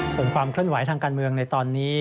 ส่วนความเคลื่อนไหวทางการเมืองในตอนนี้